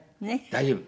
大丈夫。